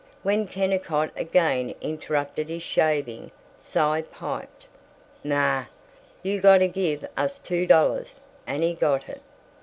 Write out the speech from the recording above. When Kennicott again interrupted his shaving, Cy piped, "Naw, you got to give us two dollars," and he got it.